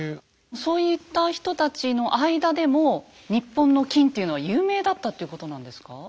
そういった人たちの間でも日本の金っていうのは有名だったっていうことなんですか？